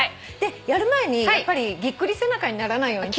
やる前にやっぱりぎっくり背中にならないように。